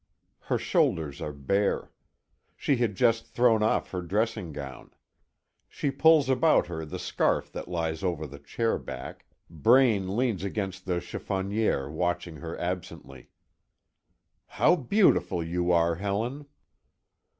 Her shoulders are bare: she had just thrown off her dressing gown; she pulls about her the scarf that lies over the chair back, Braine leans against the chiffonnière watching her absently. "How beautiful you are, Helen!"